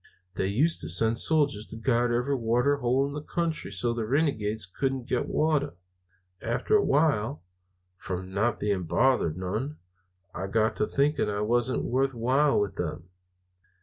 They used to send soldiers to guard every water hole in the country so the renegades couldn't get water. After a while, from not being bothered none, I got to thinking I wasn't worth while with them.